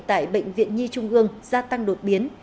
tại bệnh viện nhi trung ương gia tăng đột biến